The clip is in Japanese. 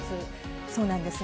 そうなんですね。